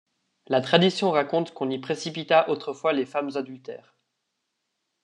La tradition raconte qu’on y précipita autrefois les femmes adultères.